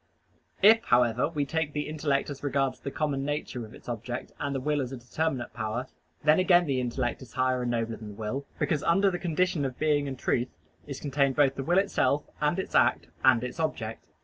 If, however, we take the intellect as regards the common nature of its object and the will as a determinate power, then again the intellect is higher and nobler than the will, because under the notion of being and truth is contained both the will itself, and its act, and its object.